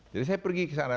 jadi saya pergi ke sana